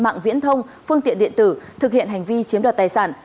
mạng viễn thông phương tiện điện tử thực hiện hành vi chiếm đoạt tài sản